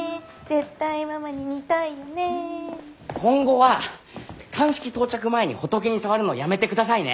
今後は鑑識到着前にホトケに触るのやめて下さいね。